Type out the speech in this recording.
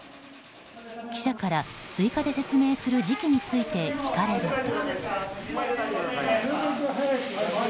記者から、追加で説明する時期について聞かれると。